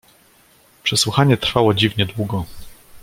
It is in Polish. "Przesłuchanie trwało dziwnie długo."